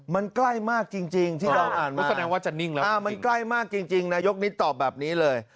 มันใกล้มากจริงจริงที่ดอมอ่านมาอ่ามันใกล้มากจริงจริงนายกนิตตอบแบบนี้เลย